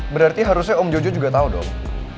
berarti harusnya om jojo juga tahu dong